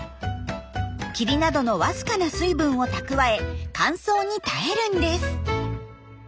霧などのわずかな水分を蓄え乾燥に耐えるんです。